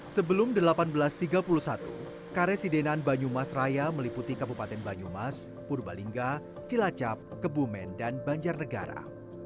sebelum seribu delapan ratus tiga puluh satu karesidenan banyumas raya meliputi kabupaten banyumas purbalingga cilacap kebumen dan banjarnegara